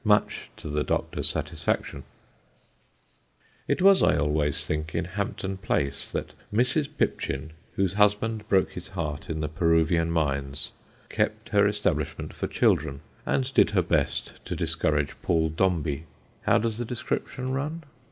much to the Doctor's satisfaction. [Sidenote: MRS. PIPCHIN'S CASTLE] It was, I always think, in Hampton Place that Mrs. Pipchin, whose husband broke his heart in the Peruvian mines, kept her establishment for children and did her best to discourage Paul Dombey. How does the description run?